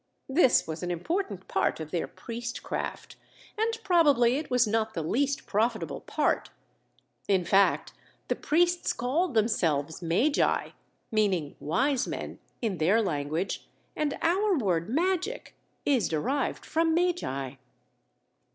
This was an important part of their priestcraft, and probably it was not the least profitable part. In fact, the priests called themselves magi, meaning "wise men" in their language, and our word "magic" is derived from "magi."